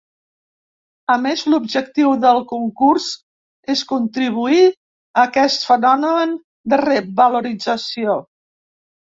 A més l’objectiu del concursés contribuir a aquest fenomen de revalorització.